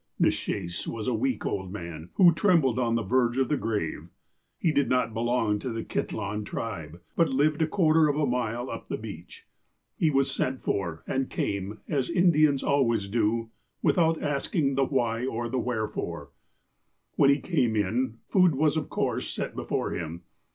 '' Nishaes was a weak old man, who trembled on the verge of the grave. He did not belong to the Kitlahn tribe, but lived a quarter of a mile up the beach. He was sent for, and came, as the Indians always do, without asking the why or the wherefore. '' When he came in, food was of course set before him.